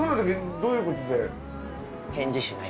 どういうことで。